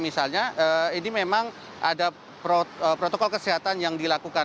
misalnya ini memang ada protokol kesehatan yang dilakukan